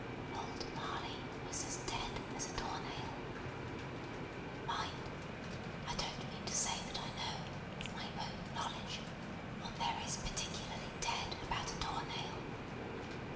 Old Marley was as dead as a door nail. Mind! I don't mean to say that I know, of my own knowledge, what there is particularly dead about a door nail.